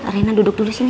reina duduk dulu sini